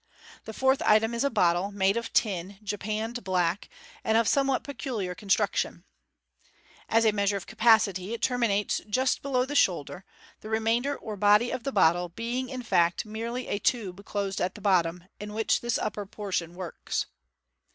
The fourth item is a bottle, made of tin, japanned black, and of somewhat peculiar construc tion. (See Fig. 213.) As a measure of capacity, it terminates just below the shoulder, the remainder, or body of the bottle, being, in fact; merely a tube closed at the bottom, in which this upper portion works.